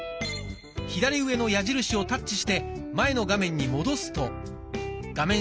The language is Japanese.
左上の矢印をタッチして前の画面に戻すと画面